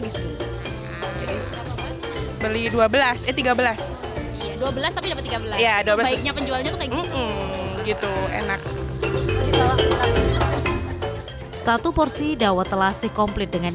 di sini beli dua belas tiga belas dua belas tapi tiga belas ya dua belas nya penjualnya gitu enak satu porsi dawot telasi komplit dengan